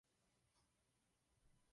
Je součástí městské památkové zóny.